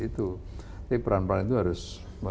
tapi peran peran itu harus